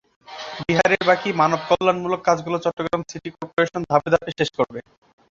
বিহারের বাকি মানবকল্যাণমূলক কাজগুলো চট্টগ্রাম সিটি করপোরেশন ধাপে ধাপে শেষ করবে।